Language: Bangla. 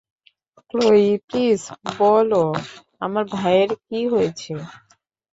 ক্লোয়ি, প্লিজ বলো আমার ভাইয়ের কী হয়েছে।